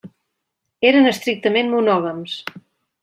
Eren estrictament monògams.